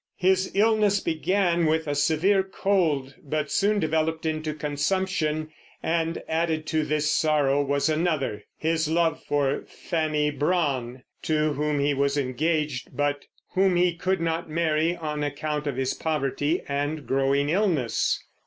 His illness began with a severe cold, but soon developed into consumption; and added to this sorrow was another, his love for Fannie Brawne, to whom he was engaged, but whom he could not marry on account of his poverty and growing illness.